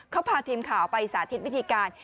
เขาพาทีมข่าวไปสาธิตวิธีการ